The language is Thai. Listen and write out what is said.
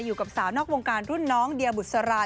อยู่กับสาวนอกวงการรุ่นน้องเดียบุษรา